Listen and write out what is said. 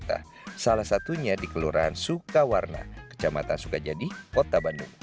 masalah awalnya den